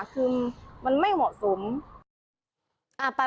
คือมันไม่เหมาะสม